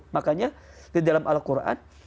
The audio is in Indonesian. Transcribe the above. makanya di dalam al quran